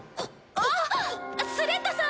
あっスレッタさん！